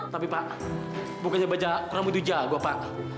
tapi pak bukannya baca kurang begitu jago pak